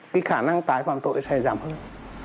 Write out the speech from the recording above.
cái khả năng tái phạm tội sẽ giảm hơn